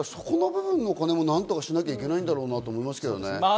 そこの部分のお金を何とかしなきゃいけないんだろうなと思いますけどね。